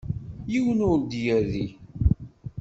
Yiwen ur d-yerri.